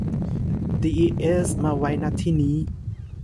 ดีอีเอส มาไว้ ณ ที่นี้